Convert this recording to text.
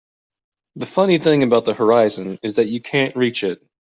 The funny thing about the horizon is that you can't reach it.